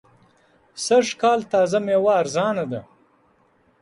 سږ کال تازه مېوه ارزانه ده.